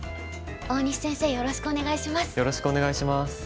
大西先生よろしくお願いします。